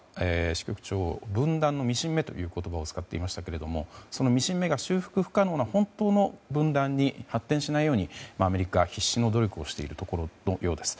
支局長、分断のミシン目という言葉を使っていましたがそのミシン目が修復不可能な本当の分断に発展しないようにアメリカ、必死の努力をしているところのようです。